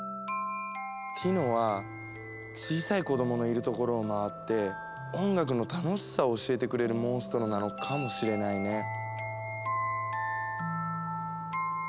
ティノは小さい子どものいるところを回って音楽の楽しさを教えてくれるモンストロなのかもしれないね。